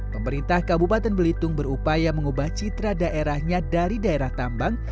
pemerintah kabupaten belitung berupaya mengubah citra daerahnya dari daerah tambang